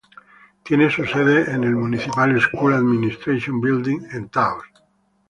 Tiene su sede en el Municipal Schools Administration Building en Taos.